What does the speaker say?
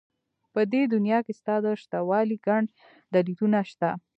په دې دنيا کې ستا د شتهوالي گڼ دلیلونه شته.